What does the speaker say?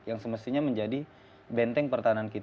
yang semestinya menjadi benteng pertanian rakyat